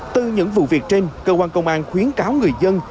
từ những vụ việc trên cơ quan công an khuyến cáo người dân